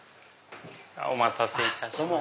お待たせいたしました。